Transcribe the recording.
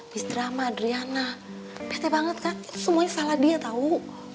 miss drama adriana bete banget kan itu semuanya salah dia tau